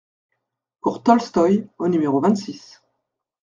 Cours Tolstoï au numéro vingt-six